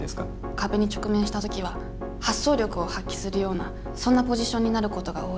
壁に直面した時は発想力を発揮するようなそんなポジションになることが多いです。